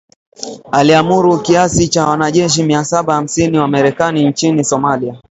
aliamuru kiasi cha wanajeshi mia saba hamsini wa Marekani nchini Somalia